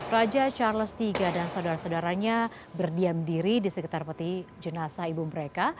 raja charles iii dan saudara saudaranya berdiam diri di sekitar peti jenazah ibu mereka